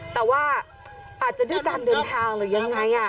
แต่ว่าอาจจะด้วยการเดินทางหรือยังไง